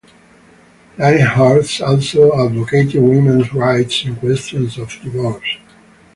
Lyndhurst also advocated women's rights in questions of divorce.